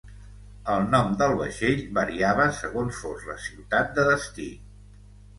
El nom del vaixell variava segons fos la ciutat de destí.